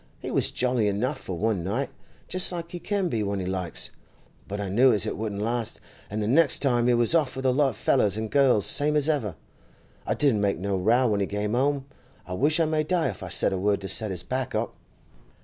He was jolly enough for one night, just like he can be when he likes. But I knew as it wouldn't last, an' the next night he was off with a lot o' fellers an' girls, same as ever. I didn't make no row when he came 'ome; I wish I may die if I said a word to set his back up!